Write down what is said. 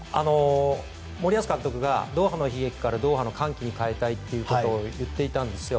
森保監督がドーハの悲劇からドーハの歓喜に変えたいということを言っていたんですよ。